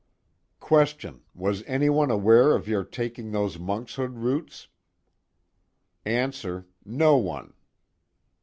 QUESTION: Was anyone aware of your taking those monkshood roots? ANSWER: No one.